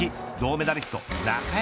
銅メダリスト中山